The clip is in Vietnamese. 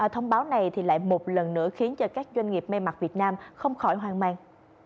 thông báo này lại một lần nữa khiến cho các doanh nghiệp may mặt việt nam không khỏi hoang mang